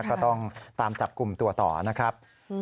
ก็ต้องตามจับกลุ่มตัวต่อนะครับ